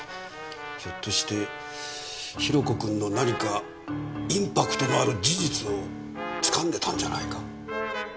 ひょっとして宏子くんの何かインパクトがある事実をつかんでたんじゃないか？